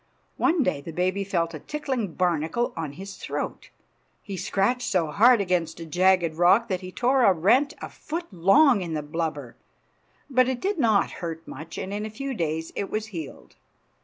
One day the baby felt a tickling barnacle on his throat. He scratched so hard against a jagged rock that he tore a rent a foot long in the blubber. But it did not hurt much, and in a few days it was healed.